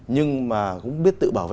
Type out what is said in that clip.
nhưng mà cũng biết tự bảo vệ